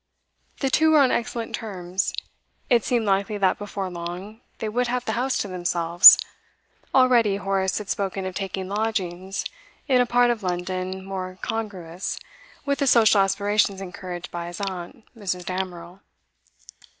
The two were on excellent terms. It seemed likely that before long they would have the house to themselves; already Horace had spoken of taking lodgings in a part of London more congruous with the social aspirations encouraged by his aunt, Mrs. Damerel.